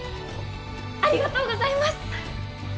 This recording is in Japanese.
ありがとうございます！